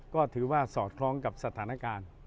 ก็ถือว่าสอดคล้องกับสถานการณ์